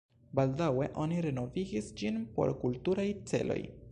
Baldaŭe oni renovigis ĝin por kulturaj celoj.